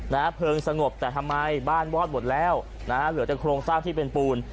เพลิงสงบแต่ทำไมบ้านวอดหมดแล้วนะฮะเหลือแต่โครงสร้างที่เป็นปูน